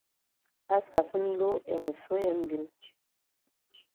A sas nlo ai məsɔ ya mbil.